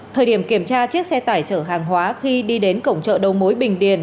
thời điểm kiểm tra chiếc xe tải chở hàng hóa khi đi đến cổng chợ đầu mối bình điền